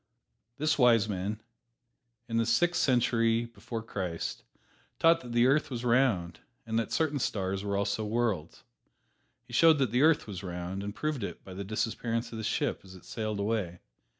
This wise man, in the Sixth Century before Christ, taught that the earth was round, and that certain stars were also worlds. He showed that the earth was round and proved it by the disappearance of the ship as it sailed away.